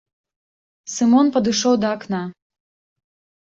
Сымон падышоў да акна.